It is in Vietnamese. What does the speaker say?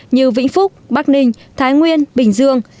như vĩnh phúc bắc ninh thái nguyên bình dương